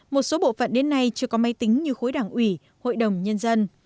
một số bộ phận đến nay chưa có máy tính như khối đảng ủy hội đồng nhân dân